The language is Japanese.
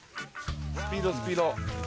スピードスピード！